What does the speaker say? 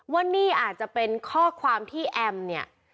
ว่านี่อาจจะเป็นข้อความที่แอมเนี่ย